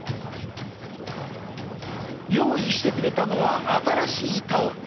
用意してくれたのは新しいタオル。